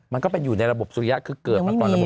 มันก็อยู่ในระบบสุริยะเกิดมาตอนระบบสุริยะ